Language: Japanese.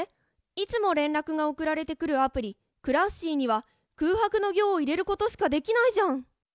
いつも連絡が送られてくるアプリ「Ｃｌａｓｓｉ」には空白の行を入れることしかできないじゃん！